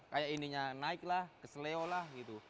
seperti ini naiklah keseleo gitu